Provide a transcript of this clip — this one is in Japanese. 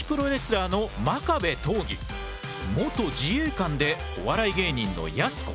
元自衛官でお笑い芸人のやす子。